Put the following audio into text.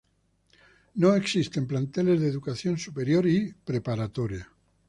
No existen planteles de educación superior y preparatoria.